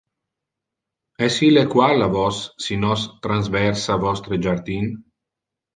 Es il equal a vos si nos transversa vostre jardin?